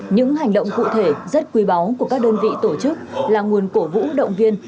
những hành động cụ thể rất quý báu của các đơn vị tổ chức là nguồn cổ vũ động viên